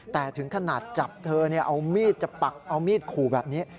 แต่ถึงขนาดจับเธอเอามีดจะปักเอามีดขู่แบบนี้